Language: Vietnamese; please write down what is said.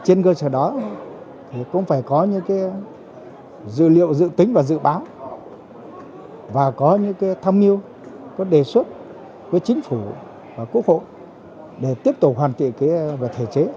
trên cơ sở đó cũng phải có những dữ liệu dự tính và dự báo và có những tham mưu có đề xuất với chính phủ và quốc hội để tiếp tục hoàn thiện về thể chế